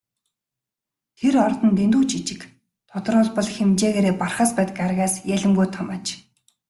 Тэр од нь дэндүү жижиг, тодруулбал хэмжээгээрээ Бархасбадь гаригаас ялимгүй том аж.